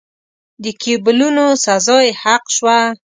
د کېبولونو سزا یې حق شوه.